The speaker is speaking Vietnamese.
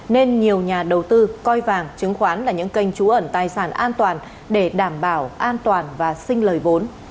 nên nhiều nhà đầu tư coi vàng chứng khoán là những kênh trú ẩn tài sản an toàn để đảm bảo an toàn và sinh lời vốn